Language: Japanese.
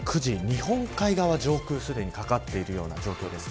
日本海側上空すでにかかっているような状況です。